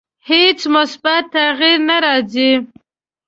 هیڅ مثبت تغییر نه راځي.